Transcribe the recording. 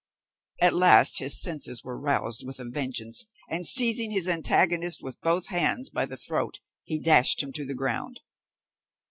At last, his senses were roused with a vengeance, and seizing his antagonist with both hands by the throat, he dashed him to the ground.